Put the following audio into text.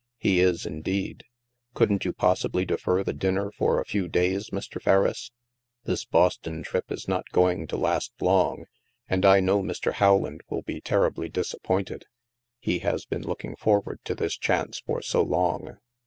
" He is, indeed. Couldn't you possibly defer the dinner for a few days, Mr. Ferriss? This Boston trip is not going to last long, and I know Mr. How land will be terribly disappointed. He has been looking forward to this chance for so long."